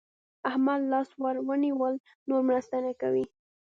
احمد لاس ور ونيول؛ نور مرسته نه کوي.